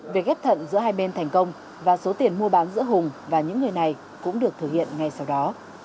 việc ghép thận giữa hai bên thành công và số tiền mua bán giữa hùng và những người này cũng được thực hiện ngay sau đó